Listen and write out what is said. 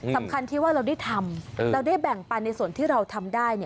สำคัญที่ว่าเราได้ทำเราได้แบ่งปันในส่วนที่เราทำได้